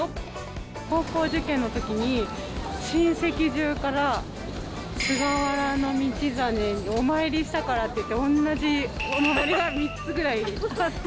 高校受験のときに親戚中から菅原道真、お参りしたからって、同じお守りが３つぐらい。